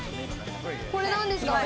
これ何ですか？